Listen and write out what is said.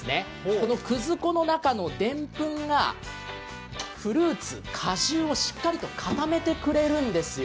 このくず粉の中のでんぷんがフルーツ、果汁をしっかりと固めてくれるんですよ。